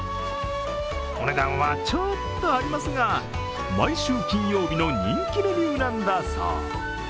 お値段はちょっと張りますが毎週金曜日の人気メニューなんだそう。